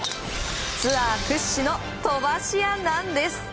ツアー屈指の飛ばし屋なんです。